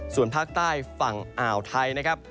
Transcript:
ส่วนภาคใต้ฝั่งอ่าวไทยนะครับ